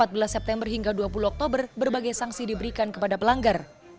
pada empat belas september hingga dua puluh oktober berbagai sanksi diberikan kepada pelanggar